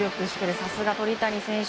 さすが鳥谷選手。